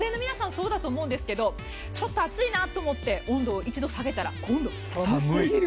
そうだと思うんですけどちょっと暑いなと思って温度を１度下げたら今度、寒すぎる。